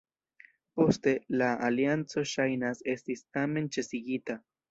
Poste, la alianco ŝajnas estis tamen ĉesigita.